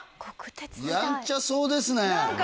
やんちゃそうですね